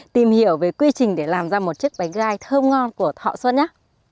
tìm hiểu về quy trình để làm ra một chiếc bánh gai thơm ngon của thọ xuân á